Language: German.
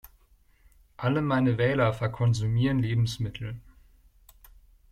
Alle meine Wähler verkonsumieren Lebensmittel.